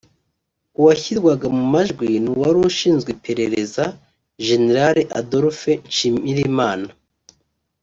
Uwashyirwaga mu majwi ni uwari ushinzwe iperereza Jenerali Adolphe Nshimirimana